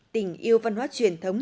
tình yêu văn hoá truyền thống